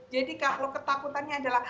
jadi kalau ketakutannya adalah